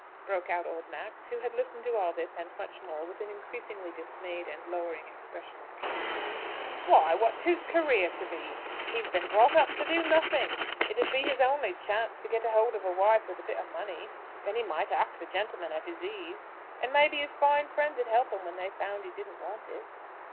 broke out old Max, who had listened to all this, and much more, with an increasingly dismayed and lowering expression of countenance. "Why, what's his career to be? He's been brought up to do nothing! It 'ud be his only chance to get hold of a wife with a bit o' money. Then he might act the gentleman at his ease; and maybe his fine friends 'ud help him when they found he didn't want it.